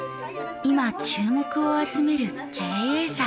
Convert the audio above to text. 今注目を集める経営者。